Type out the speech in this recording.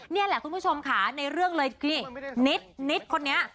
นี่แหละคุณผู้ชมค่ะในเรื่องเลยนี่นิดคนนี้